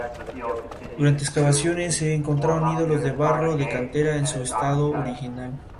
Durante excavaciones, se encontraron ídolos de barro y de cantera en su estado original.